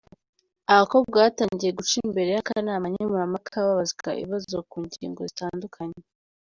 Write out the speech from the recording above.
Abakobwa batangiye guca imbere y’akanama nkemurampaka babazwa ibibazo ku ngingo zitandukanye.